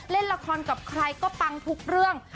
เล่นละครกับใครก็ปังทุกเรื่อง